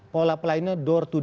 pola pelainnya door to door